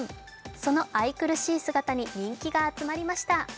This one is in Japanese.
その愛くるしい姿に人気が集まりました。